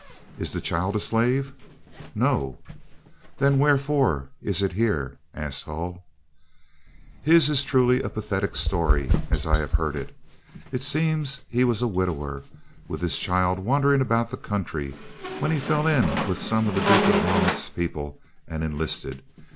"Is the child a slave?" "No." "Then wherefore is it here?" asked Hull. "His is truly a pathetic story as I have heard it. It seems he was a widower with his child wandering about the country, when he fell in with some of the Duke of Monmouth's people and enlisted.